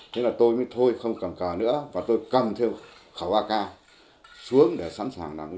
thế là tôi mới thôi không cầm cờ nữa và tôi cầm theo khẩu ak xuống để sẵn sàng làm gì